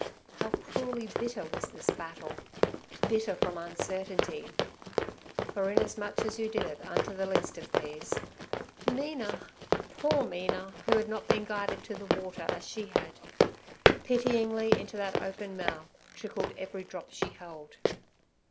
How cruelly bitter was this battle!—bitter from uncertainty. 'For inasmuch as you did it unto the least of these—' 'Mina—poor Mina!' who had not been guided to the water as had she. Pityingly, into that open mouth trickled every drop she held.